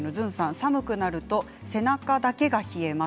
寒くなると背中だけが冷えます。